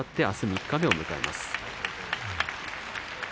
あす三日目を迎えます。